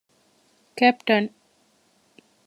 ކެޕްޓަން